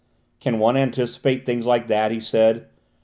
"Can one anticipate things like that?" he said.